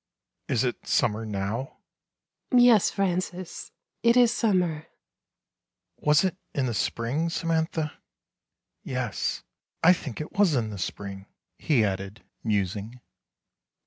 " Is it summer now? "" Yes, Francis, it is summer." "Was it in the spring, Samantha? — Yes, I think it was in the spring," he added, musing.